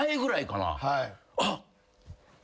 あっ！